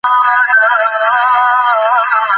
দিপা সেইদিন থেকে খাওয়াদাওয়া বন্ধ করে দিল।